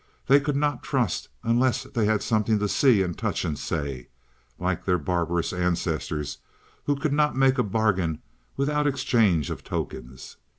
They could not trust unless they had something to see and touch and say, like their barbarous ancestors who could not make a bargain without exchange of tokens.